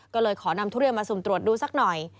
ก็เลยขอนำทุเรียนมาสุ่มตรวจดูสักหน่อย